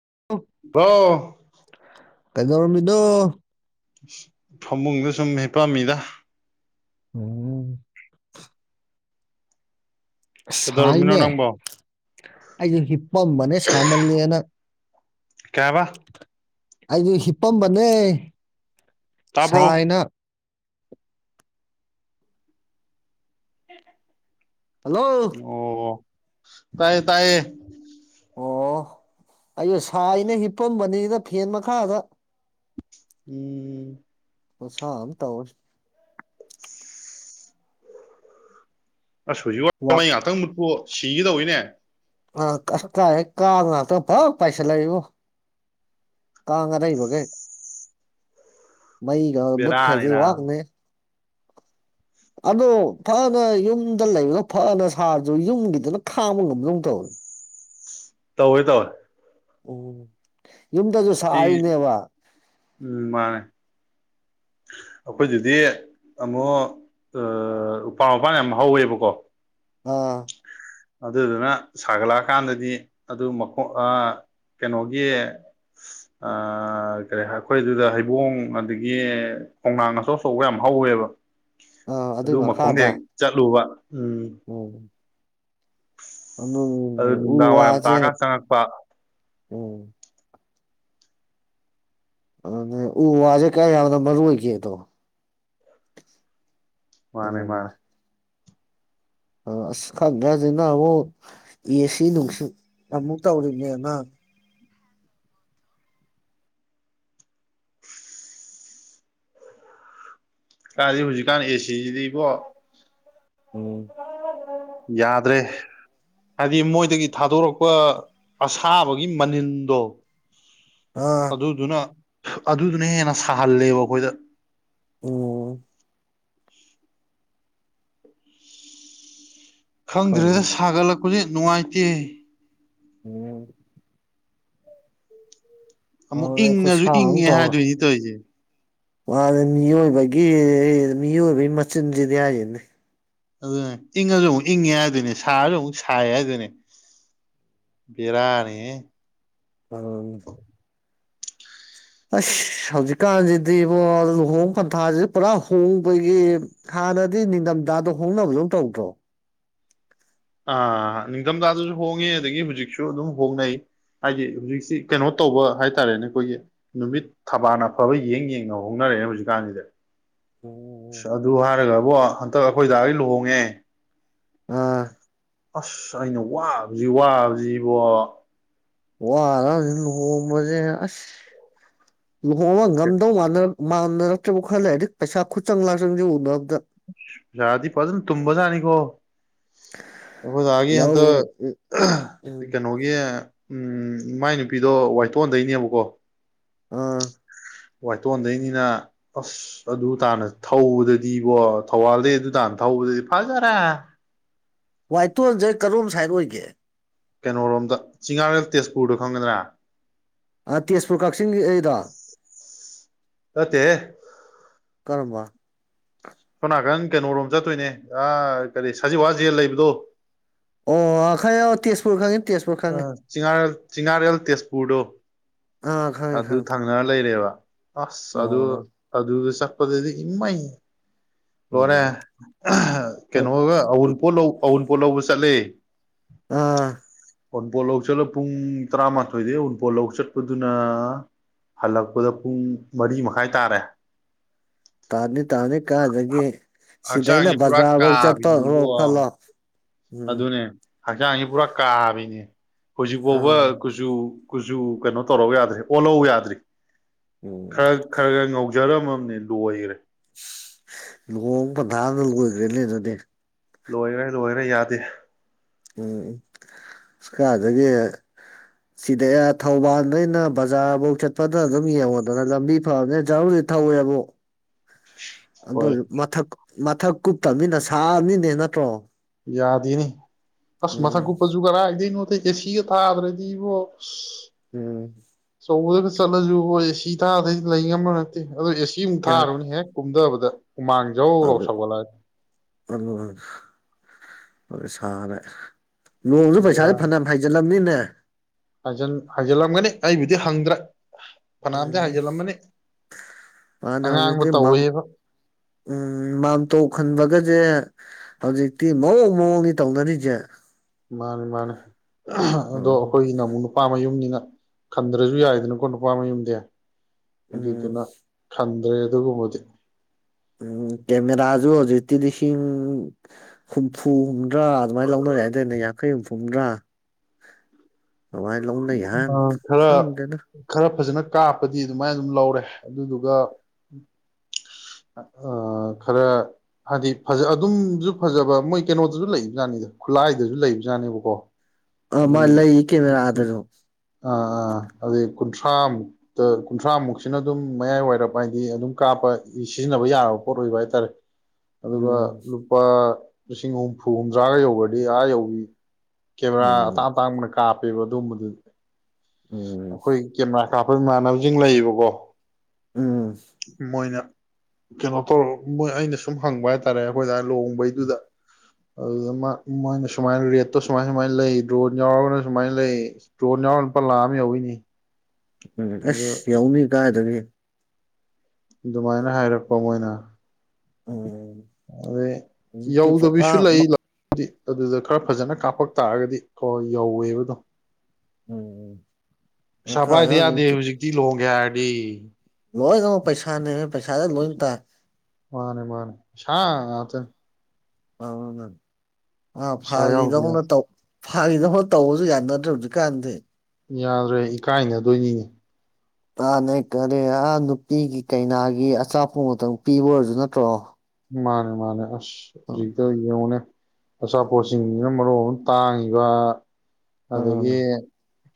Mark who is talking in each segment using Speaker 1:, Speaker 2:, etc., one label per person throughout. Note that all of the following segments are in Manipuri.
Speaker 1: ꯄꯥꯎ
Speaker 2: ꯀꯩꯗꯧꯔꯝꯃꯤꯅꯣ
Speaker 1: ꯐꯃꯨꯡꯗ ꯁꯨꯝ ꯍꯤꯞꯄꯝꯃꯤꯗ
Speaker 2: ꯎꯝ
Speaker 1: ꯀꯩꯗꯧꯔꯝꯃꯤꯅꯣ
Speaker 2: ꯁꯥꯏꯅꯦ
Speaker 1: ꯅꯪꯕꯣ
Speaker 2: ꯑꯩꯁꯦ ꯍꯤꯞꯄꯝꯕꯅꯦ ꯁꯥꯃꯜꯂꯦꯅ
Speaker 1: ꯀꯌꯥꯕ
Speaker 2: ꯑꯩꯗꯤ ꯍꯤꯞꯄꯝꯕꯅꯦ
Speaker 1: ꯇꯥꯕ꯭ꯔꯣ
Speaker 2: ꯁꯥꯥꯏꯅ ꯍꯜꯂꯣ
Speaker 1: ꯑꯣ ꯑꯣ ꯑꯣ ꯇꯥꯏꯌꯦ ꯇꯥꯏꯌꯦ
Speaker 2: ꯑꯣ ꯑꯩꯌꯨ ꯁꯥꯏꯅ ꯍꯤꯞꯄꯝꯕꯅꯤꯅ ꯐꯦꯟ ꯃꯈꯥꯗ
Speaker 1: ꯎꯝ
Speaker 2: ꯑꯣꯁꯥ ꯑꯝ ꯇꯧꯋꯦ
Speaker 1: [inaudible] ꯑꯁ ꯍꯧꯖꯤꯛ ꯋꯥ
Speaker 2: ꯋꯥꯛ
Speaker 1: ꯃꯩ ꯉꯥꯛꯇꯪ ꯃꯠꯄꯨ ꯁꯤꯒꯗꯧꯏꯅꯦ
Speaker 2: ꯑ ꯀꯁ ꯀꯥꯏꯗꯩꯩ ꯀꯥꯡ ꯉꯥꯛꯇ ꯐꯞ ꯄꯥꯏꯁꯜꯂꯛꯏꯉꯣ ꯀꯥꯡ ꯑꯔꯩꯕꯒꯩ ꯃꯩꯒ
Speaker 1: ꯕꯦꯔꯥꯅꯤ
Speaker 2: ꯃꯨꯠꯈꯔ꯭ꯗꯤ ꯋꯥ
Speaker 1: ꯅꯥꯕ
Speaker 2: ꯎꯅꯩꯌꯦ ꯑꯗꯣ ꯐꯅ ꯌꯨꯝꯗ ꯂꯩꯕꯅ ꯐꯅ ꯁꯥꯔꯁꯨ ꯌꯨꯝꯒꯤꯗꯅ ꯈꯥꯕ ꯉꯝꯗꯧꯅ ꯇꯧꯋꯦ
Speaker 1: ꯇꯧꯋꯦ ꯇꯧꯋꯦ
Speaker 2: ꯑꯣ ꯌꯨꯝꯗꯁꯨ
Speaker 1: ꯁꯤ
Speaker 2: ꯁꯥꯔꯤꯅꯦꯕ
Speaker 1: ꯎꯝ ꯃꯥꯅꯦ ꯑꯩꯈꯣꯏꯗꯨꯗꯤ ꯑꯃꯨꯛ ꯑ ꯎꯄꯥ ꯋꯥꯄꯥꯟ ꯌꯥꯝ ꯍꯧꯋꯦꯕꯀꯣ
Speaker 2: ꯑꯥ
Speaker 1: ꯑꯗꯨꯗꯨꯅ ꯁꯥꯒꯠꯂꯛꯑꯀꯥꯟꯗꯗꯤ ꯑꯗꯨ ꯃꯈ ꯀꯩꯅꯣꯒꯤ ꯀꯔꯤ ꯑꯩꯈꯣꯏꯗꯨꯗ ꯍꯩꯕꯣꯡ ꯑꯗꯒꯤ ꯈꯣꯡꯅꯥꯡ ꯑꯆꯧ ꯑꯆꯧꯕ ꯌꯥꯝ ꯍꯧꯋꯦꯕ ꯑꯗꯨ ꯃꯈꯣꯡꯗ ꯍꯦꯛ ꯆꯠꯂꯨꯕ ꯎꯝ
Speaker 2: ꯍꯝ
Speaker 1: ꯑꯗꯨ
Speaker 2: ꯎ
Speaker 1: ꯅꯨꯡꯗꯥꯡ ꯋꯥꯏꯔꯝ
Speaker 2: ꯋꯥꯁꯦ
Speaker 1: ꯇꯥꯀꯥꯟ ꯆꯪꯉꯛꯄ
Speaker 2: ꯎꯝ ꯑ ꯎ ꯋꯥꯁꯦ ꯀꯥꯏ ꯌꯥꯝꯗ ꯃꯅ ꯑꯣꯏꯏ ꯀꯦꯇ
Speaker 1: ꯃꯥꯅꯦ ꯃꯥꯅꯦ
Speaker 2: ꯑ ꯑꯁ ꯈꯪꯉꯦꯁꯤꯅ ꯑꯃꯨꯛ ꯑꯦꯁꯤ ꯅꯨꯡꯁꯤꯠ ꯑꯃꯨꯛ ꯇꯧꯔꯤꯅꯦꯅ
Speaker 1: ꯀꯗꯤ ꯍꯧꯖꯤꯛꯀꯥꯟ ꯑꯦꯁꯤꯁꯤꯗꯩꯕꯣ
Speaker 2: ꯎꯝ
Speaker 1: ꯌꯥꯗ꯭ꯔꯦ ꯍꯥꯏꯗꯤ ꯃꯣꯏꯗꯒꯤ ꯊꯥꯗꯣꯔꯛꯄ ꯑꯁꯥꯕꯒꯤ ꯃꯅꯤꯜꯗꯣ
Speaker 2: ꯑꯥ
Speaker 1: ꯑꯗꯨꯗꯨꯅ ꯑꯗꯨꯗꯨꯅ ꯍꯦꯟꯅ ꯁꯥꯍꯜꯂꯦꯕ ꯑꯩꯈꯣꯏꯗ
Speaker 2: ꯎꯝ ꯈꯪꯗꯦ
Speaker 1: ꯈꯪꯗ꯭ꯔꯦꯗ ꯁꯥꯒꯠꯂꯛꯄ ꯍꯧꯖꯤꯛ ꯅꯨꯡꯉꯥꯏꯇꯦ
Speaker 2: ꯎꯝ
Speaker 1: ꯑꯃꯨꯛ
Speaker 2: ꯑꯗꯨꯅꯦ
Speaker 1: ꯏꯪꯉꯁꯨ
Speaker 2: ꯈꯨꯠꯁꯥ
Speaker 1: ꯏꯪꯉꯦ ꯍꯥꯏꯗꯣꯏꯅꯤ ꯇꯧꯔꯤꯁꯦ
Speaker 2: ꯋꯥꯗ ꯃꯤ ꯑꯣꯏꯕꯒꯤ ꯃꯤ ꯑꯣꯏꯕꯒꯤ ꯃꯆꯤꯟꯁꯤꯗꯤ ꯍꯥꯏꯖꯅꯤ
Speaker 1: ꯑꯗꯨꯅꯦ ꯏꯪꯉꯁꯨ ꯑꯃꯨꯛ ꯏꯪꯉꯦ ꯍꯥꯏꯗꯨꯣꯏꯅꯦ ꯁꯥꯁꯨ ꯑꯃꯨꯛ ꯁꯥꯏꯦ ꯍꯥꯏꯗꯣꯏꯅꯦ ꯕꯤꯔꯥꯅꯤ
Speaker 2: ꯎꯝ ꯑꯁ ꯍꯧꯖꯤꯛꯀꯥꯟꯁꯤꯗꯤꯕꯣ ꯂꯨꯍꯣꯡ ꯄꯟꯊꯥꯁꯤ ꯄꯨꯔꯥ ꯍꯣꯡꯕꯒꯤ ꯍꯥꯟꯅꯗꯤ ꯅꯤꯡꯊꯝꯊꯥꯗ ꯍꯣꯡꯅꯕ ꯑꯗꯨꯝ ꯇꯧꯗ꯭ꯔꯣ
Speaker 1: ꯑꯥ ꯅꯤꯡꯊꯝꯊꯥꯗꯁꯨ ꯍꯣꯡꯉꯦ ꯑꯗꯒꯤ ꯍꯧꯖꯤꯛꯁꯨ ꯑꯗꯨꯝ ꯍꯣꯡꯅꯩ ꯍꯥꯏꯗꯤ ꯍꯧꯖꯤꯛꯁꯤ ꯀꯩꯅꯣ ꯇꯧꯕ ꯍꯥꯏꯇꯥꯔꯦꯅꯦ ꯑꯩꯈꯣꯏꯒꯤ ꯅꯨꯃꯤꯠ ꯊꯕꯥꯜꯅ ꯑꯐꯕ ꯌꯦꯡ ꯌꯦꯡꯅ ꯍꯣꯡꯅꯔꯛꯑꯦ ꯍꯧꯖꯤꯛꯀꯥꯟꯁꯤꯗ
Speaker 2: ꯑꯣꯝ
Speaker 1: ꯑꯗꯨ ꯍꯥꯏꯔꯒꯕꯣ ꯍꯟꯇꯛ ꯑꯩꯈꯣꯏ ꯗꯥ ꯑꯩ ꯂꯨꯍꯣꯡꯉꯦ
Speaker 2: ꯑꯥ
Speaker 1: ꯑꯁ ꯑꯩꯅ ꯋꯥꯕꯁꯤ ꯋꯥꯕꯁꯤꯕꯣ
Speaker 2: ꯋꯥ ꯑꯔ ꯍ ꯃꯦ ꯑꯁ ꯂꯨꯍꯣꯡꯕ ꯉꯝꯗꯧ ꯃꯥꯟꯗ ꯃꯥꯟꯅꯔꯛꯇꯕ ꯈꯜꯂꯦ ꯍꯥꯏꯗꯤ ꯄꯩꯁꯥ ꯈꯨꯠꯆꯪ ꯂꯥꯛ ꯆꯪꯁꯦ ꯎꯗ
Speaker 1: ꯑꯣꯖꯥꯗꯤ ꯐꯖꯅ ꯇꯨꯝꯕꯖꯥꯠꯅꯤꯀꯣ ꯑꯣꯖꯥꯒꯤ ꯍꯟꯛꯇ
Speaker 2: ꯂꯧ
Speaker 1: ꯀꯩꯅꯣꯒꯤ ꯎꯝ ꯃꯥꯏ ꯅꯨꯄꯤꯗꯣ ꯋꯥꯏꯇꯣꯟꯗꯩꯅꯦꯕꯀꯣ
Speaker 2: ꯑꯥ
Speaker 1: ꯋꯥꯏꯇꯣꯟꯗꯒꯤꯩꯅꯤꯅ ꯑꯁ ꯑꯗꯨ ꯇꯥꯅ ꯊꯧꯕꯗꯗꯤꯕꯣ ꯊꯧꯕꯥꯜꯗꯩ ꯑꯗꯨ ꯇꯥꯅ ꯊꯧꯕꯗꯗꯤ ꯐꯖꯔꯥ
Speaker 2: ꯋꯥꯏꯇꯣꯟꯁꯩ ꯀꯔꯣꯝ ꯁꯥꯏꯠ ꯑꯣꯏꯒꯦ
Speaker 1: ꯀꯩꯅꯣꯔꯣꯝꯗ ꯆꯤꯉꯥꯔꯦꯜ ꯇꯦꯖꯄꯨꯔꯗ ꯈꯪꯒꯗ꯭ꯔꯥ
Speaker 2: ꯑꯥ ꯇꯦꯖꯄꯨꯔ ꯀꯛꯆꯤꯡꯒꯤ ꯑꯩꯔꯣ
Speaker 1: ꯅꯥꯏꯇꯦꯍꯦ
Speaker 2: ꯀꯔꯕ
Speaker 1: ꯁꯣꯅꯥꯀꯪ ꯀꯩꯅꯣꯔꯣꯝ ꯆꯠꯇꯣꯏꯅꯦ ꯑ ꯀꯔꯤ ꯁꯖꯤꯋꯥ ꯖꯦꯜ ꯂꯩꯕꯗꯣ
Speaker 2: ꯑꯣ ꯑꯈꯌ ꯇꯦꯖꯄꯨꯔ ꯈꯉ
Speaker 1: ꯆꯤꯉꯥꯔꯦꯜ ꯆꯤꯉꯥꯔꯦꯜ ꯇꯦꯖꯄꯨꯔꯗꯣ
Speaker 2: ꯑꯥ ꯈꯪꯉꯦ
Speaker 1: ꯑꯗꯨ
Speaker 2: ꯈꯪꯉꯦ
Speaker 1: ꯊꯪꯅꯔ ꯂꯩꯔꯦꯕ ꯑꯁ ꯑꯗꯨ
Speaker 2: ꯑꯣ
Speaker 1: ꯑꯗꯨꯗ ꯆ ꯗꯗꯤ ꯏꯃ ꯂꯔꯦ
Speaker 2: ꯎꯝ
Speaker 1: ꯀꯩꯅꯣꯒ ꯑꯎꯟ ꯄꯣ ꯑꯟ ꯄꯣꯠ ꯂꯧꯕ ꯆꯠꯂꯤ
Speaker 2: ꯑꯥ
Speaker 1: ꯑꯥꯎꯟꯄꯣꯠ ꯂꯧ ꯆꯠꯂ ꯄꯨꯡ ꯇꯔꯥꯃꯥꯊꯣꯏꯗꯤ ꯑꯥꯎꯟꯄꯣꯠ ꯂꯧ ꯆꯠꯄꯗꯨꯅ ꯍꯜꯂꯛꯄꯗ ꯄꯨꯡ ꯃꯔꯤ ꯃꯈꯥꯏ ꯇꯥꯔꯦ
Speaker 2: ꯇꯥꯅꯤ ꯇꯥꯅꯤ ꯀꯥꯒꯦ ꯁꯤꯗꯩꯅ
Speaker 1: ꯍꯛꯆꯥꯡꯁꯤ ꯄꯨꯔꯥ
Speaker 2: ꯕꯖꯥꯔ ꯐꯧ ꯆꯠꯇꯣ
Speaker 1: ꯀꯥꯕꯤꯅꯤꯕꯣ
Speaker 2: ꯈꯜꯂꯣ ꯎꯝ
Speaker 1: ꯑꯗꯨꯅꯦ ꯍꯛꯆꯥꯡꯁꯤ ꯄꯨꯔꯥ ꯀꯥꯕꯤꯅꯦ ꯍꯧꯖꯤꯛ ꯐꯥꯎꯕ
Speaker 2: ꯑꯥ
Speaker 1: ꯀꯨꯆꯨ ꯀꯨꯆꯨ ꯀꯩꯅꯣ ꯇꯧꯔꯧ ꯌꯥꯗ꯭ꯔꯦ ꯑꯣꯜꯍꯧ ꯌꯥꯗ꯭ꯔꯤ
Speaker 2: ꯎꯝ
Speaker 1: ꯈꯔ ꯈꯔ ꯈꯔꯒ ꯉꯧꯖꯔꯝꯃꯥꯕꯅꯦ ꯂꯔꯦ
Speaker 2: ꯂꯨꯍꯣꯡ ꯄꯟꯊꯥꯗ ꯂꯣꯏꯈ꯭ꯔꯦꯅꯦ ꯑꯗꯨꯗꯤ
Speaker 1: ꯂꯣꯏꯈꯔꯦ ꯂꯣꯏꯈꯔꯦ ꯌꯥꯗꯦ
Speaker 2: ꯎꯝ ꯎꯝ ꯀꯥꯏꯗꯒꯤ ꯁꯤꯗ ꯊꯧꯕꯥꯜꯗꯩꯅ ꯕꯖꯥꯔ ꯄꯥꯎ ꯆꯠꯄꯗꯅ ꯑꯗꯨꯝ ꯌꯦꯡꯉꯣꯗꯅ ꯂꯝꯕꯤ ꯐꯕꯅꯦꯅ ꯖꯔꯕꯨꯗꯤ ꯊꯧꯋꯦꯕꯨ ꯑꯃꯛ ꯑꯗꯨꯗꯣ
Speaker 1: ꯍꯣꯏ
Speaker 2: ꯃꯊꯛ ꯃꯊꯛ ꯀꯨꯞꯇꯕꯅꯤꯅ ꯁꯥꯕꯃꯤꯅꯦ ꯅꯠꯇ꯭ꯔꯣ
Speaker 1: ꯌꯥꯗꯑꯦꯅꯦ ꯀꯁ ꯃꯊꯛ ꯀ
Speaker 2: ꯎꯝ
Speaker 1: ꯎꯄꯁꯨꯨꯒꯔ ꯍꯥꯏꯒꯗ ꯁꯤꯒ ꯊꯥꯗ꯭ꯔꯥꯗꯤ ꯏꯕꯣ
Speaker 2: ꯎꯝ
Speaker 1: ꯆꯜꯂꯖꯨ ꯍꯣꯏ ꯍꯤ ꯇꯥꯗ ꯂꯩꯉꯝꯕ ꯅꯠꯇꯦ ꯑꯗꯣ ꯑꯦꯁꯤꯃꯨꯛ ꯊꯥꯔꯨꯅꯦ ꯍꯦꯛ ꯀꯨꯝꯊꯕꯗ ꯑꯗꯨ ꯎꯃꯥꯡꯖꯧ ꯂꯥꯎꯅ
Speaker 2: ꯑꯗꯨ
Speaker 1: ꯁꯧꯒꯠꯂꯛꯑꯅꯤ
Speaker 2: ꯑꯗꯨ ꯁꯔꯦ ꯅꯣꯡꯁꯨ ꯄꯩꯁꯥꯥꯁꯦ
Speaker 1: ꯕꯦꯔꯥꯅꯤ
Speaker 2: ꯐꯅꯌꯥꯝ ꯐꯩꯖꯤꯜꯂꯝꯕꯅꯤꯅꯦ [unintelligible]
Speaker 1: ꯍꯥꯏꯖꯤꯜꯂꯝꯒꯅꯤ ꯑꯩꯕꯨꯗꯤ ꯍꯪꯗ꯭ꯔꯦ ꯐꯅꯌꯥꯝꯗꯤ
Speaker 2: ꯎꯝ
Speaker 1: ꯍꯥꯏꯖꯤꯜꯂꯝꯃꯅꯤ
Speaker 2: ꯃꯥꯅꯦ
Speaker 1: ꯑꯉꯥꯡꯕ
Speaker 2: ꯍꯧꯖꯤꯛꯇꯤ
Speaker 1: ꯇꯧꯋꯦꯕ
Speaker 2: ꯎꯝ ꯃꯥꯝꯇꯧ ꯈꯟꯕꯒꯁꯦ ꯍꯧꯖꯤꯛꯇꯤ ꯃꯑꯣꯡ ꯃꯑꯣꯡꯅꯤ ꯇꯧꯅꯔꯤꯁꯦ
Speaker 1: ꯃꯥꯅꯤ ꯃꯥꯅꯦ ꯑꯗꯣ
Speaker 2: ꯎꯝ
Speaker 1: ꯑꯩꯈꯣꯏꯒꯤꯅ ꯑꯃꯨꯛ ꯅꯨꯄꯥ ꯃꯌꯨꯝꯅꯤ ꯈꯟꯗ꯭ꯔꯁꯨ ꯌꯥꯏꯗꯅꯀꯣ ꯅꯨꯄꯥ ꯃꯌꯨꯝꯗꯤ
Speaker 2: ꯎꯝ
Speaker 1: ꯑꯗꯨꯗꯨꯅ ꯈꯟ ꯑꯗꯩ ꯑꯗꯨ ꯀꯃꯗꯤ
Speaker 2: ꯎꯝ ꯀꯦꯃꯦꯔꯥꯁꯨ ꯍꯧꯖꯤꯛꯇꯤ ꯂꯤꯁꯤꯡ ꯍꯨꯝꯐꯨ ꯍꯨꯝꯗ꯭ꯔꯥ ꯑꯗꯨꯃꯥꯏꯅ ꯂꯧꯅꯔꯦ ꯍꯥꯏꯗꯥꯏꯅꯦ ꯌꯥꯡꯈꯩ ꯍꯨꯝꯐꯨ ꯍꯨꯝꯗ꯭ꯔꯥ ꯑꯗꯥꯏ ꯂꯧꯅꯩ ꯍꯥꯏ
Speaker 1: ꯈꯔ
Speaker 2: ꯈꯪꯗꯦꯗ
Speaker 1: ꯈꯔ ꯐꯖꯅ ꯀꯥꯞꯄꯗꯤ ꯑꯗꯨꯃꯥꯏꯅ ꯑꯗꯨꯝ ꯂꯧꯔꯦ ꯑꯗꯨꯗꯨꯒ ꯑ ꯈꯔ ꯍꯥꯏꯗꯤ ꯐꯖ ꯑꯗꯨꯝꯁꯨ ꯐꯖꯕ ꯃꯣꯏ ꯀꯩꯅꯣꯗꯁꯨ ꯂꯩꯕꯖꯥꯠꯅꯤꯗ ꯈꯨꯠꯂꯥꯏꯗꯁꯨ ꯂꯩꯕꯖꯥꯠꯅꯦꯕꯀꯣ
Speaker 2: ꯑ ꯃꯥ
Speaker 1: ꯑꯗꯨꯝ
Speaker 2: ꯂꯩ ꯀꯦꯃꯦꯔꯥꯗꯁꯨ
Speaker 1: ꯑꯥ ꯑꯥ ꯑꯗꯨꯗꯩ ꯀꯨꯟꯊ꯭ꯔꯥꯃꯨꯛꯇ ꯀꯨꯟꯊ꯭ꯔꯥꯃꯨꯛꯁꯤꯅ ꯑꯗꯨꯝ ꯃꯌꯥꯏ ꯋꯥꯏꯔꯞ ꯍꯥꯏꯗꯤ ꯑꯗꯨꯝ ꯀꯥꯞꯄ ꯁꯤꯖꯤꯟꯅꯕ ꯌꯥꯔꯕ ꯄꯣꯠ ꯑꯣꯏꯕ ꯍꯥꯏꯇꯥꯔꯦ ꯑꯗꯨꯒ
Speaker 2: ꯎꯝ
Speaker 1: ꯂꯨꯄꯥ ꯂꯤꯁꯤꯡ ꯍꯨꯝꯐꯨ ꯍꯨꯝꯗ꯭ꯔꯥꯒ ꯌꯧꯒ꯭ꯔꯗꯤ ꯑꯥ ꯌꯧꯕꯤ ꯀꯦꯃꯔꯥ
Speaker 2: ꯎꯝ
Speaker 1: ꯑꯇꯥꯡ ꯑꯇꯥꯡꯕꯅ ꯀꯥꯞꯄꯦꯕ ꯑꯗꯨꯒꯨꯝꯕꯗꯨꯗꯤ [inaudible]
Speaker 2: ꯎꯝ
Speaker 1: ꯑꯩꯈꯣꯏ ꯀꯦꯃꯦꯥ ꯀꯥꯞꯄ ꯏꯃꯥꯟꯅꯕꯁꯤꯡ ꯂꯩꯌꯦꯕꯀꯣ
Speaker 2: ꯎꯝ
Speaker 1: ꯃꯣꯏꯅ ꯀꯩꯅꯣ ꯇꯧꯔ ꯃꯣꯏ ꯑꯩꯅ ꯁꯨꯝ ꯍꯪꯕ ꯍꯥꯏꯇꯥꯔꯦ ꯑꯩꯈꯣꯏꯗ ꯂꯨꯍꯣꯡꯕꯩꯗꯨꯗ ꯑꯗꯨꯗ ꯃꯣꯏꯅ ꯁꯨꯃꯥꯏꯅ ꯔꯦꯠꯇꯣ ꯁꯨꯃꯥꯏ ꯁꯨꯃꯥꯏꯅ ꯂꯩ ꯗ꯭ꯔꯣꯟ ꯌꯥꯎꯔꯒꯅ ꯁꯨꯃꯥꯏꯅ ꯂꯩ ꯗ꯭ꯔꯣꯟ ꯌꯥꯎꯔꯒꯅꯥ ꯂꯨꯄꯥ ꯂꯥꯛ ꯑꯃ ꯌꯧꯋꯤꯅꯦꯍꯦ
Speaker 2: ꯎꯝ ꯑꯁ ꯌꯧꯅꯤ ꯀꯥꯏꯗꯒꯤ
Speaker 1: ꯑꯗꯨꯃꯥꯏꯅ ꯍꯥꯏꯔꯛꯄ ꯃꯣꯏꯅ
Speaker 2: ꯑꯣ
Speaker 1: ꯑꯗꯩ ꯌꯧꯗꯕꯤꯁꯨ ꯂꯩ ꯑꯗꯨꯗ ꯈꯔ ꯐꯖꯅ ꯀꯥꯞꯄꯛ ꯇꯥꯔꯒꯗꯤ ꯀꯣ ꯌꯧꯋꯦꯕꯗꯣ
Speaker 2: ꯎꯝ ꯎꯝ
Speaker 1: ꯄꯩꯁꯥ ꯄꯥꯏꯗ ꯌꯥꯗꯦ ꯍꯧꯖꯤꯛꯇꯤ ꯂꯨꯍꯣꯡꯒꯦ ꯍꯥꯏꯔꯗꯤ ꯎ [unintelligible]
Speaker 2: ꯂꯣꯏꯅꯃꯛ ꯄꯩꯁꯥꯅꯦ ꯄꯩꯁꯥꯥꯗ ꯂꯣꯏꯅ ꯇꯥꯏ
Speaker 1: ꯃꯥꯅꯦ ꯃꯥꯅꯦ ꯄꯩꯁꯥ ꯉꯥꯛꯇꯅꯦ
Speaker 2: ꯑꯥꯎ ꯑ
Speaker 1: ꯄꯩꯁꯥ ꯌꯥꯎꯗ
Speaker 2: ꯐꯥꯒꯤꯗꯧꯅ
Speaker 1: ꯌꯥꯗꯦ
Speaker 2: ꯇꯧ ꯐꯥꯒꯤꯗꯧꯅ ꯇꯧꯕꯁꯨ ꯌꯥꯅꯗ꯭ꯔꯦ ꯍꯧꯖꯤꯛꯀꯥꯟꯗꯤ
Speaker 1: ꯌꯥꯗ꯭ꯔꯦ ꯏꯀꯥꯏꯅꯗꯣꯏꯅꯤꯅꯦ
Speaker 2: ꯀꯥꯅ ꯀꯔꯤ ꯑꯥ ꯅꯨꯄꯤꯒꯤ ꯀꯩꯅꯥꯒꯤ ꯑꯆꯥꯄꯣꯠꯇꯪ ꯄꯤꯕ ꯑꯣꯏꯔꯁꯨ ꯅꯠꯇ꯭ꯔꯣ
Speaker 1: ꯃꯥꯅꯦ ꯃꯥꯅꯦ ꯖꯤꯛꯇ ꯌꯦꯡꯉꯨꯅꯦ ꯑꯆꯥꯄꯣꯠꯁꯤꯡꯁꯤꯅ ꯃꯔꯣ ꯑꯃ ꯇꯥꯡꯉꯤꯕ
Speaker 2: ꯑꯗꯨꯅꯦ
Speaker 1: ꯑꯗꯒꯤ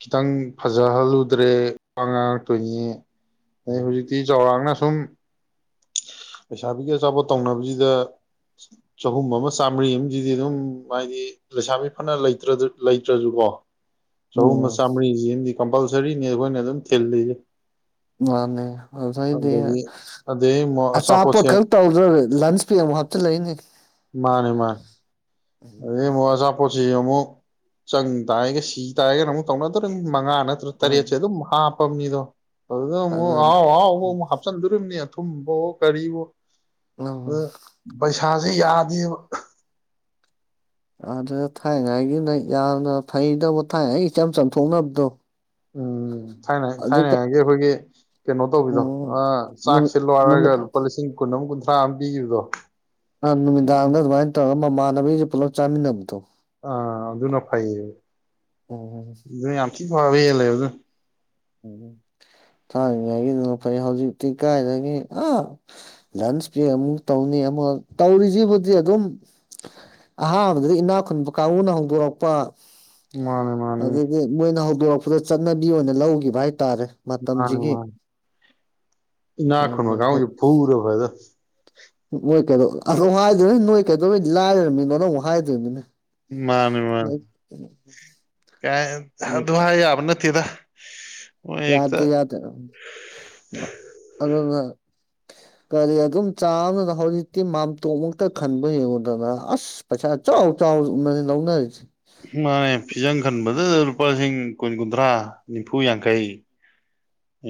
Speaker 1: ꯈꯤꯇꯪ ꯐꯖꯍꯜꯂꯨꯗ꯭ꯔꯦ ꯋꯥ ꯉꯥꯡꯉꯛꯇꯣꯏꯅꯤ ꯑ ꯍꯧꯖꯤꯛꯇꯤ ꯆꯥꯎꯔꯥꯛꯅ ꯊꯨꯝ ꯂꯩꯁꯥꯕꯤꯒꯤ ꯑꯆꯥꯄꯣꯠ ꯇꯧꯅꯕꯁꯤꯗ ꯆꯍꯨꯝ ꯑꯃ ꯆꯥꯝꯃꯔꯤ ꯑꯃꯗꯤ ꯑꯗꯨꯝ ꯍꯥꯏꯗꯤ ꯂꯩꯁꯥꯕꯤ ꯐꯅꯇ꯭ꯔ ꯂꯩꯇ꯭ꯔꯁꯨꯀꯣ ꯆꯥꯍꯨꯝ ꯑꯃꯥ
Speaker 2: ꯎꯝ
Speaker 1: ꯆꯝꯃ ꯔꯤ ꯖꯤꯃꯗꯤ ꯀꯝꯄꯜꯁꯔꯤꯅꯤ ꯑꯩꯈꯣꯏꯅ ꯑꯗꯨꯝ ꯊꯤꯜꯂꯤꯁꯦ
Speaker 2: ꯃꯥꯅꯦ
Speaker 1: ꯑꯗꯒꯤ ꯑꯗꯩ ꯑꯃꯨꯛ
Speaker 2: [unintelligible] ꯑꯆꯥꯄꯣꯠ
Speaker 1: ꯑꯆꯥꯄꯣꯠꯁꯦ
Speaker 2: ꯈꯛ ꯇꯧꯗ꯭ꯔ ꯂꯟꯁ ꯄꯦꯛ ꯑꯃꯨꯛ ꯍꯥꯞꯆꯤꯂꯛꯏꯅꯦ꯫
Speaker 1: ꯑꯗꯩꯩ ꯑꯥ ꯃꯨꯛ ꯑꯆꯥꯄꯣꯠ ꯁꯤ ꯑꯃꯨꯛ ꯆꯪ ꯇꯥꯏꯒ ꯁꯤ ꯇꯥꯏꯒꯅ ꯑꯃꯨꯛ ꯇꯧꯅꯗꯣꯔꯤ ꯃꯉꯥ ꯅꯠꯇꯔꯥ
Speaker 2: ꯎꯝ
Speaker 1: ꯇꯔꯦꯠꯁꯦ ꯑꯗꯨꯝ ꯍꯥꯞ [unintelligible] ꯥꯑꯗꯨꯗ ꯑꯃꯨꯛ
Speaker 2: ꯑꯗꯨꯅ
Speaker 1: ꯑꯍꯥꯎ - ꯑꯍꯥꯎꯕ ꯑꯃꯨꯛ ꯍꯥꯞꯆꯟꯗꯨꯔꯤꯝꯅꯤ꯫ ꯑꯊꯨꯝꯕ ꯑꯣ ꯀꯔꯤꯑꯣ ꯑ
Speaker 2: ꯎꯝ
Speaker 1: ꯄꯩꯁꯥꯥꯁꯦ ꯌꯥꯗꯦꯕ꯫
Speaker 2: ꯑꯗꯨꯗ ꯊꯥꯏꯉꯥꯏꯒꯤꯅꯦ ꯌꯥꯝꯅ ꯐꯩꯗꯧꯕ ꯊꯥꯏꯅ ꯑꯩ ꯏꯆꯝ ꯆꯝꯊꯣꯛꯅꯕꯗꯣ
Speaker 1: ꯎꯝ ꯊꯥꯏꯅ ꯊꯥꯏꯅ
Speaker 2: ꯑꯗꯨꯗ
Speaker 1: ꯉꯩꯒꯤ ꯑꯩꯈꯣꯏꯒꯤ ꯀꯩꯅꯣ ꯇꯧꯕꯤꯗꯣ
Speaker 2: ꯎꯝ ꯅꯨꯃꯤꯠ
Speaker 1: ꯆꯥꯛꯁꯦ ꯂꯣꯏꯔꯒ
Speaker 2: ꯅꯨꯃꯤꯠ
Speaker 1: ꯂꯨꯄꯥ ꯂꯤꯁꯤꯡ ꯀꯨꯟ ꯑꯃ ꯀꯨꯟ [unintelligible]
Speaker 2: ꯅꯨꯃꯤꯗꯥꯡꯗ ꯑꯗꯨꯃꯥꯏ ꯇꯧꯔ ꯃꯃꯥꯟꯅꯕꯤꯁꯦ ꯄꯨꯂꯞ ꯆꯥꯃꯤꯟꯅꯕꯗꯣ
Speaker 1: ꯑ ꯑꯗꯨꯅ ꯐꯌꯦ
Speaker 2: ꯎꯝ
Speaker 1: ꯑꯗꯨ ꯌꯥꯝ ꯊꯤ ꯐꯕ ꯍꯦꯜ ꯂꯦ ꯑꯗꯨꯅ꯫
Speaker 2: ꯎꯝ ꯊꯥꯅꯉꯥꯏꯒꯤ ꯐꯩ ꯍꯧꯖꯤꯛꯇꯤ ꯀꯥꯏꯗꯒꯤ ꯑ ꯂꯟꯁ ꯕꯦꯛ ꯑꯃꯨꯛ ꯇꯧꯅꯤ ꯑꯃꯨꯛ ꯇꯧꯔꯤꯁꯤꯕꯨꯗꯤ ꯑꯗꯨꯝ ꯑꯍꯥꯟꯕꯗꯗꯒꯤ ꯏꯅꯥ ꯈꯨꯨꯟꯕ ꯀꯥꯡꯕꯨꯅ ꯍꯧꯗꯣꯔꯛꯄ
Speaker 1: ꯃꯥꯅꯦ ꯃꯥꯅꯦ
Speaker 2: ꯑꯗꯒꯤ ꯃꯣꯏꯅꯍꯧꯗꯣꯔ ꯆꯠꯅꯕꯤ ꯑꯣꯏꯅ ꯂꯧꯈꯤꯕ [unintelligible]
Speaker 1: ꯃꯥꯅꯤ -
Speaker 2: ꯃꯇꯝꯁꯤꯒꯤ
Speaker 1: ꯃꯥꯅꯤ ꯍꯅꯥꯛ ꯈꯨꯟꯕ ꯀꯥꯡꯕꯨꯖꯤ ꯐꯨꯒꯗꯧꯅꯤ
Speaker 2: ꯑꯗꯣ ꯍꯥꯏꯗꯣꯏ ꯅ ꯅꯣꯏ ꯀꯩꯗꯧꯕꯩ ꯂꯥꯏꯔꯝꯃꯤꯅꯣ ꯑꯃꯨꯛ ꯍꯥꯏꯗꯣꯏꯔꯤꯕꯅꯤꯅꯦ꯫
Speaker 1: ꯃꯥꯅꯤ ꯃꯥꯅꯤ ꯀꯥꯏ ꯑꯗꯨ ꯍꯥꯏ ꯌꯥꯕ ꯅꯠꯇꯦꯗꯥ ꯫
Speaker 2: ꯌꯥꯗ- ꯌꯥꯗ ꯑꯗꯨꯅ ꯀꯔꯤ ꯑꯗꯨꯝ ꯆꯥꯅ ꯍꯧꯖꯤꯛꯇꯤ ꯃꯥꯝꯇꯣꯞ ꯃꯨꯛꯇ ꯈꯟꯕ ꯌꯦꯡꯉꯨꯗꯅ ꯑꯁ ꯄꯩꯁꯥ ꯆꯥꯎ- ꯆꯥꯎꯅ ꯂꯧꯅꯔꯤꯁꯦ꯫
Speaker 1: ꯃꯥꯅꯦ ꯐꯤꯖꯪ ꯈꯟꯕꯗ ꯂꯨꯄꯥ ꯂꯤꯁꯤꯡ ꯀꯨꯟ- ꯀꯨꯟꯊ꯭ꯔꯥ ꯅꯤꯐꯨ ꯌꯥꯡꯈꯩ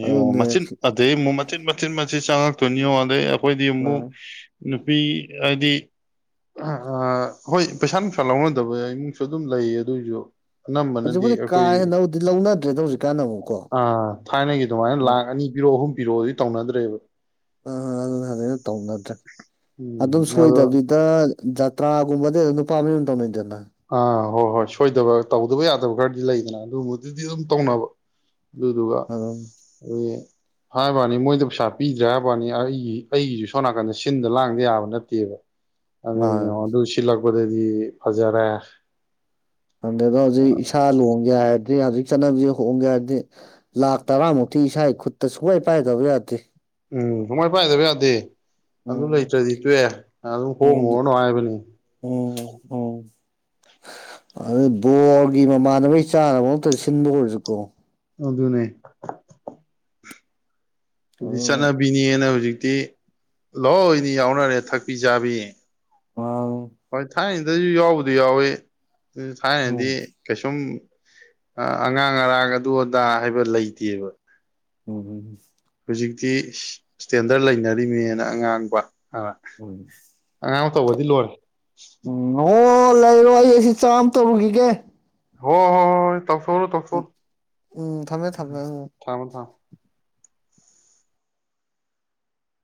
Speaker 1: ꯌꯦ ꯉꯣ
Speaker 2: ꯑꯗꯨꯅꯦ
Speaker 1: ꯃꯆꯤꯟ ꯑꯗꯩꯩ ꯑ ꯃꯨꯛ ꯃꯆꯤꯠ ꯃꯆꯤꯠ ꯆꯥꯔꯛꯇꯨꯏꯅꯤ ꯌꯦꯡꯉꯨ ꯑꯗꯩꯩ ꯀꯣꯏꯗꯤ ꯃꯨꯛ ꯅꯨꯄꯤ ꯍꯥꯏꯗꯤ ꯍꯣꯏ ꯄꯩꯁꯥ ꯅꯨꯡꯁꯥ ꯂꯧꯅꯗꯕ ꯏꯃꯨꯡꯁꯨ ꯑꯗꯨꯝ ꯂꯩꯌꯦ ꯑꯗꯨꯏꯁꯨ ꯑꯅꯝꯕꯅꯗꯤ
Speaker 2: ꯍꯧꯖꯤꯛꯄꯨꯗꯤ ꯀꯥ
Speaker 1: ꯑꯩꯈꯣꯏ
Speaker 2: ꯍꯦꯟꯅꯕꯨꯗꯤ ꯂꯧꯅꯗ꯭ꯔꯦꯗ ꯍꯧꯖꯤꯛꯀꯥꯟꯗ ꯑꯃꯨꯛꯀꯣ
Speaker 1: ꯑꯥ ꯊꯥꯏꯅꯒꯤ ꯑꯗꯨꯃꯥꯏꯅ
Speaker 2: ꯎꯝ
Speaker 1: ꯂꯥꯛ ꯑꯅꯤ ꯄꯤꯔꯣ ꯑꯍꯨꯝ ꯄꯤꯔꯛꯑꯣꯗꯤ ꯇꯧꯅꯗ꯭ꯔꯦꯕ
Speaker 2: ꯑ ꯑꯗꯨꯅ ꯐꯅ ꯇꯧꯅꯗ꯭ꯔꯦ
Speaker 1: ꯎꯝ
Speaker 2: ꯑꯗꯨꯝ
Speaker 1: ꯑꯗꯣ
Speaker 2: ꯁꯣꯏꯗꯕꯤꯗ ꯖꯇ꯭ꯔꯥꯒꯨꯝꯕꯗꯤ ꯑꯗꯨꯝ ꯅꯨꯄꯥ ꯃꯌꯨꯝꯅ ꯇꯧꯅꯩꯗꯅ
Speaker 1: ꯑꯥ ꯍꯣꯏ ꯍꯣꯏ ꯁꯣꯏꯗꯕ ꯇꯧꯗꯕ ꯌꯥꯗꯕ ꯈꯔꯗꯤ ꯂꯩꯗꯅ ꯑꯗꯨꯒꯨꯝꯕꯗꯨꯗꯤ ꯑꯗꯨꯝ ꯇꯧꯅꯕ ꯑꯗꯨꯗꯨꯒ
Speaker 2: ꯑꯗꯨꯝ
Speaker 1: [unintelligible] ꯍꯥꯏꯕꯥꯅꯤ ꯃꯣꯏꯗ ꯄꯩꯁꯥ ꯄꯤꯗ꯭ꯔꯦ ꯍꯥꯏꯕꯥꯅꯤ ꯑꯩꯒꯤ ꯑꯩꯒꯤꯁꯨ ꯁꯣꯝ ꯅꯥꯀꯟꯗ ꯁꯤꯟꯗ ꯂꯥꯡꯗ ꯌꯥꯕ ꯅꯠꯇꯦꯕ ꯑꯗꯨꯗ ꯑꯗꯨ ꯁꯤꯂꯛ ꯄꯗꯗꯤ ꯐꯖꯔꯦ [inaudible]
Speaker 2: ꯍꯟꯗꯗꯣ ꯍꯧꯖꯤꯛ ꯏꯁꯥ ꯂꯨꯍꯣꯡꯒꯦ ꯍꯥꯏꯔ ꯑꯗꯩ ꯍꯧꯖꯤꯛ ꯆꯠꯅꯕꯤꯁꯤ ꯍꯣꯡꯒꯦ ꯍꯥꯏꯔꯗꯤ ꯂꯥꯛ ꯇꯔꯥꯃꯨꯛꯇꯤ ꯏꯁꯥ ꯈꯨꯠꯇ ꯁꯨꯛꯄꯥꯏ ꯄꯥꯏꯗꯕ ꯌꯥꯗꯦ
Speaker 1: ꯎꯝ ꯁꯨꯡꯃꯥꯏ ꯄꯥꯏꯗꯕ ꯌꯥꯗꯦ ꯑꯗꯨ
Speaker 2: ꯎꯝ
Speaker 1: ꯂꯩꯇ꯭ꯔꯗꯤ ꯇꯣꯛꯑꯦ ꯑꯗꯨꯝ ꯍꯣꯡꯉꯨꯔꯅꯨ ꯍꯥꯏꯕꯅꯤ
Speaker 2: ꯑꯣ ꯑꯗꯨ ꯕꯣꯔꯒꯤ ꯃꯃꯥꯟꯅꯕꯩ ꯆꯥꯅꯕ ꯑꯝꯇ ꯁꯤꯟꯕ ꯑꯣꯏꯔꯁꯨꯀꯣ
Speaker 1: ꯑꯗꯨꯅꯦ ꯑꯗꯨꯗꯤ
Speaker 2: ꯑꯗꯨꯅ
Speaker 1: ꯆꯠꯅꯕꯤꯅꯦꯅ ꯍꯧꯖꯤꯛ ꯇꯤ ꯂꯣꯏꯅ ꯌꯥꯎꯅꯔꯦ ꯊꯛꯄꯤ ꯆꯥꯕꯤ
Speaker 2: [unintelligible]
Speaker 1: ꯍꯣꯏ ꯊꯥꯏꯅꯩꯗꯩꯩꯁꯨ ꯌꯥꯎꯕꯨꯗꯤ ꯌꯥꯎꯋꯦ ꯑꯗꯨ ꯊꯥꯏꯅꯗꯤ
Speaker 2: ꯎꯝ
Speaker 1: ꯀꯩꯁꯨꯝ ꯑꯉꯥꯡ ꯑꯔꯥꯡ ꯑꯗꯨ ꯑꯗꯥ ꯍꯥꯏꯕ ꯂꯩꯇꯦꯕ
Speaker 2: ꯎꯝ ꯎꯝ
Speaker 1: ꯍꯧꯖꯤꯛꯇꯤ ꯏꯁꯇꯦꯟꯗꯔꯠ ꯂꯩꯅꯔꯤꯅꯦꯅ ꯑꯉꯥꯡꯕ
Speaker 2: ꯎꯝ
Speaker 1: ꯑ ꯇꯧꯒ꯭ꯔꯗꯤ ꯂꯣꯏꯔꯦ
Speaker 2: ꯎꯝ ꯑꯣ [unintelligible] ꯇꯔꯨꯒꯤꯒꯦ
Speaker 1: ꯍꯣ ꯍꯣꯏ ꯇꯧꯊꯣꯛꯎꯔꯣ ꯇꯧꯊꯣꯛꯎꯔꯣ
Speaker 2: ꯎꯝ ꯊꯝꯃꯦ ꯊꯝꯃꯦ ꯎꯝ
Speaker 1: ꯊꯝꯃꯣ ꯊꯝꯃꯣ